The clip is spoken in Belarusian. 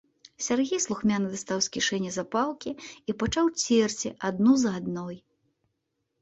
Сяргей слухмяна дастаў з кішэні запалкі і пачаў церці адну за адной.